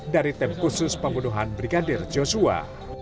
dari tim khusus pembunuhan brigadir joshua